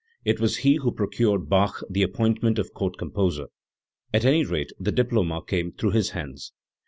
It was he who procured Bach the appointment of Court Composer; at any rate the diploma came through his hands.